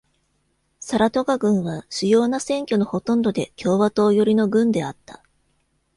サラトガ郡は、主要な選挙のほとんどで共和党寄りの郡であった。